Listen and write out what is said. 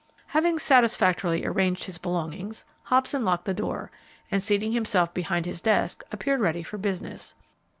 Having satisfactorily arranged his belongings, Hobson locked the door, and, seating himself behind his desk, appeared ready for business.